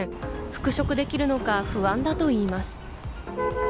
復職できるのか不安だといいます。